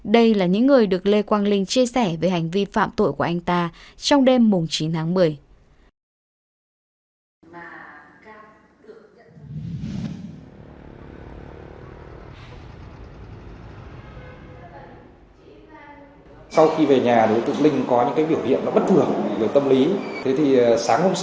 đây là những người được lê quang linh chia sẻ về hành vi phạm tội của anh ta trong đêm chín tháng một mươi